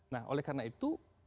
nah oleh karena itu